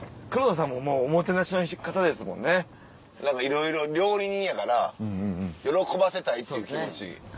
いろいろ料理人やから喜ばせたいっていう気持ち。